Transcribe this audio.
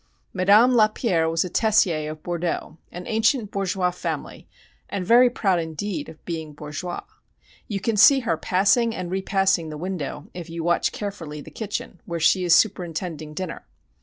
Madame Lapierre was a Tessier of Bordeaux an ancient bourgeois family, and very proud indeed of being bourgeois. You can see her passing and repassing the window if you watch carefully the kitchen, where she is superintending dinner.